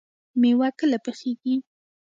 مېوه کله پخیږي؟